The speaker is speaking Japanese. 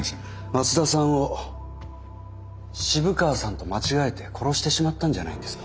松田さんを渋川さんと間違えて殺してしまったんじゃないんですか。